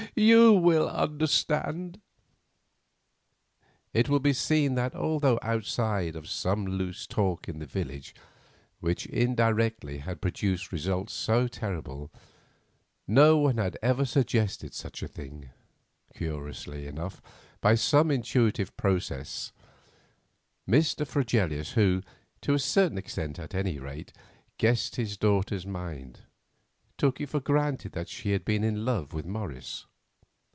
You will understand." It will be seen that although outside of some loose talk in the village, which indirectly had produced results so terrible, no one had ever suggested such a thing, curiously enough, by some intuitive process, Mr. Fregelius who, to a certain extent, at any rate, guessed his daughter's mind, took it for granted that she had been in love with Morris.